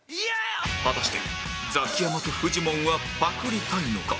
果たしてザキヤマとフジモンはパクりたいのか？